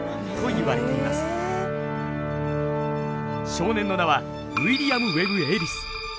少年の名はウィリアム・ウェブ・エリス。